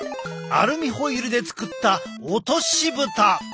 アルミホイルで作ったおとしぶた！